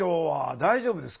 大丈夫ですか？